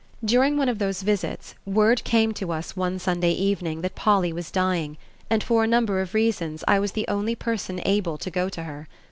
During one of those visits, word came to us one Sunday evening that Polly was dying, and for a number of reasons I was the only person able to go to her.